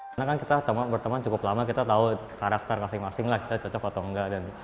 karena kan kita berteman cukup lama kita tahu karakter masing masing lah kita cocok atau enggak